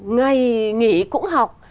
ngày nghỉ cũng học